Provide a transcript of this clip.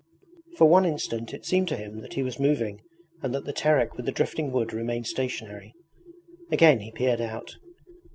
For one instant it seemed to him that he was moving and that the Terek with the drifting wood remained stationary. Again he peered out.